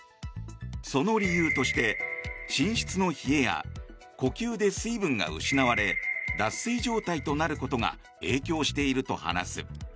その理由として寝室の冷えや呼吸で水分が失われ脱水状態となることが影響していると話す。